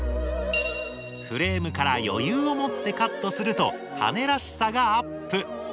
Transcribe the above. フレームから余裕を持ってカットすると羽根らしさがアップ。